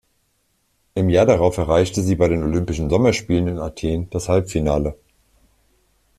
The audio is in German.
Im Jahr darauf erreichte sie bei den Olympischen Sommerspielen in Athen das Halbfinale.